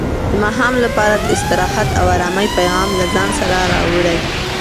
د ماښام تیاره د استراحت او ارامۍ پیغام له ځان سره راوړي.